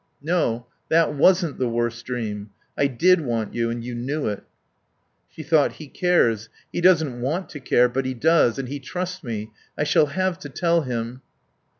"No, that wasn't the worst dream. I did want you, and you knew it." She thought: "He cares. He doesn't want to care, but he does. And he trusts me. I shall have to tell him